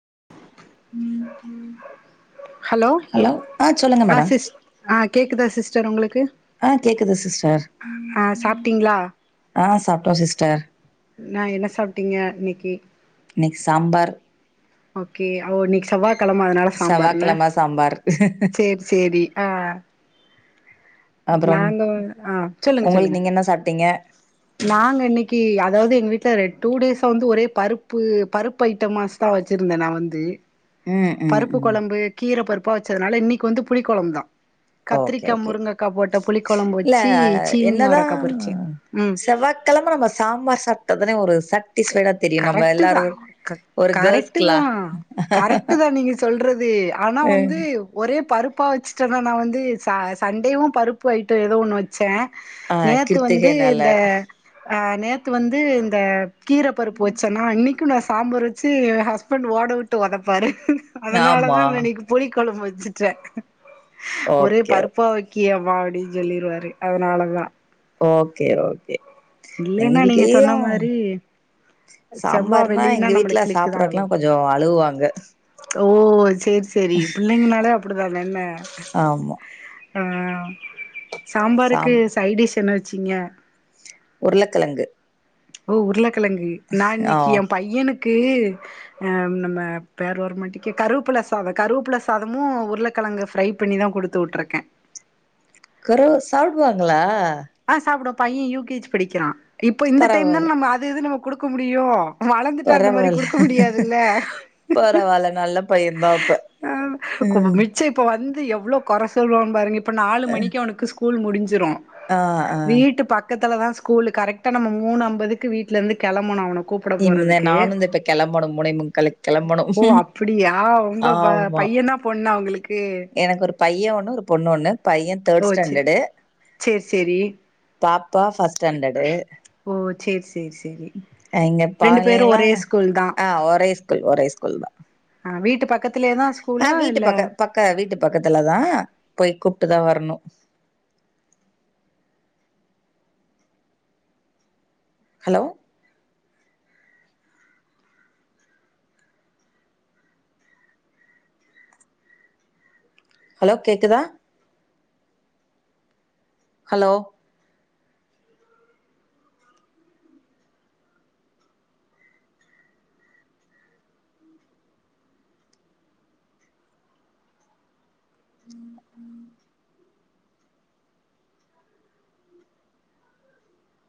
ம் ஹலோ ஆ சிஸ் ஆ கேக்குதா சிஸ்டர் உங்களுக்கு ஆ கேக்குது சிஸ்டர் ஆ சாப்ட்டீங்களா ஆ சாப்ட்டோ சிஸ்டர் நா என்ன சாப்ட்டீங்க இன்னைக்கு இன்னைக்கு சாம்பார் ஓகே அ ஓ இன்னைக்கு செவக் கிழம அதனால சாம்பரு ன செவ்வாக்கிழம சாம்பார் சேர் சேரி ஆ அப்புறம் நாங்க ஆ சொல்லுங்க உங்களுக்கு சொல்லுங்க நீங்க என்ன சாப்ட்டீங்க நாங்க இன்னைக்கு அ தாவது எங்க வீட்டுல டூ டேஸ வந்து ஒரே பருப்பு பருப்பு ஐட்டமாஸ் தா வச்சிருந்தே நா வந்து ம் ம் பருப்பு ம் கொலம்பு கீர பருப்பா வச்சதுனால இன்னைக்கு வந்து புளி கொலம்பு தா ஓகே கத்திரிக்கா ஓகே முருங்கக்கா போட்ட புளி கொலம்பு இல்ல வச்சு சீனி அவரக்கா பொரிச்ச உம் கிழம நம்ம சாம்பார் சாப்டாதானே ஒரு சட் கரெக்ட்டு தா ஒரு கரெக்ட்டு தா கேர்ள்ஸ்க்லா கரெக்ட் தா நீங்க சொல்றது கி ஆனா ம் வந்து ஒரு நிறைய பருப்பா வச்சுட்டனா நா வந்து ச சண்டேவு பருப்பு ஐட்டோ ஏதோ ஒன்னு வச்ச ஆ நேத்து வந்து கிருத்திகைனால இந்த அ நேத்து வந்து இந்த கீர பருப்பு வச்சன்னா இன்னைக்கு நச சாம்பார் வச்சு ய ஹஸ்பண்ட் ஓட விட்டு ஒதப்பாரு அதனால ஆமா தா நா இன்னைக்கு புளிக் கொலம்பு வச்சுட்டே ஒரே ஓகே பருப்பா வைக் கீய வாடி சொல்லிரு வாரு அதனாலதா ஓகே ஓகே எங்க இல்லைன்னா நீங்க வீட்டுலையு சொன்ன மாரி செவ்வா சாம்பார்னா வெள்ளினா எங்க வீட்டுல நம்மளுக்கு கிளிக்கு தா ஆகு சாப்பறதுக்கெல்லா கொஞ்ச அழுவாங்க ஓ சரி சரி பிள்ளைங்கனாலே அப்படிதான என்ன ஆமா ஆ சாம்பாருக்கு சாம் சை டிஷ் என்ன வச்சீங்க உருளக்கேலங்கு ஓ உருளக்கிழங்கு நா இன்னக்கி ஏ பையனுக் கு நம்ம பேர் வர மாட்டிக்கே கருப்புல சாத கருப்புல சாதமு உருளக்க கிழங்கு ஃப்ரை பண்ணி தா கொடுத்து விட்டுருக்கே குறவு சாப்பிடுவாங்களா ஆ சாப்புடுவா பைய யூ கே ஜி படிக்கிறா இப்ப இந்த டைம் பரவால்ல தான நம்ம அது இது நம்ம கொடுக்க முடியு வளந்துட்டா அந்த மாரி பரவால்ல குடுக்க முடியாதுல்ல பரவால்ல நல்ல பையந்தா அப்ப ஆ ம் மிச்ச இப்ப வந் து எவ்வளோ கொர சொல்வா பாருங்க இப்போ நாலு மணிக்கு அவனுக்கு ஸ்கூல் முடிஞ்சுரு ஆ ஆ பக்கத்தில்லா ஸ்கூல் கரெக்ட நம்ம மூணு அம்பதுக்கு வீட்ல இருந்து கிளம்பணு அவனு கூப்பிட இந்த போறதுக்கு நானு இந்த இப்ப கெளம்பணு மூணே முக்காலுக்கு கெளம்பணு ஓ அப்படியா உங்க பை ஆமா பையனா பொண்ணா உங்களுக்கு எனக்கு ஒரு பைய ஒன்னு ஒரு பொண்ணு ஒன்னு பையன் ஓ தேர்ட் சேரி ஸ்டாண்டர்டு சேரி சேரி பாப்பா ஃபர்ஸ்ட் ஸ்டாண்டர்டு ஓ சேரி சேரி சேரி இங்க ரெண்டு பேரு பாலைளா ஒரே ஸ்கூல் தா ஆ ஒரே ஸ்கூல் ஒரே ஸ்கூல்தா ஆ வீட்டு பக்கத்துலயேதா ஆ ஸ்கூலா வீட்டு இல்ல பக்க பக்க வீட்டு பக்கத்துலதா போய் கூ ப்ட்டுதா வரணு ஹலோ ஹலோ கேக்குதா ஹலோ ம் ம்